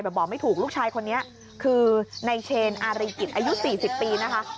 บอกไม่ถูกลูกชายคนนี้คือในเชนอาริกิจอายุ๔๐ปีนะคะ